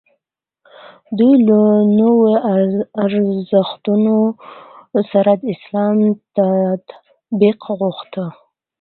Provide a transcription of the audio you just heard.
دوی له نویو ارزښتونو سره د اسلام تطابق غوښت.